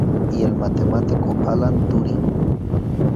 Y el matemático Alan Turing.